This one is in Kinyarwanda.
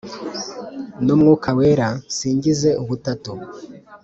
n'umwuka wera , nsingize ubutatu.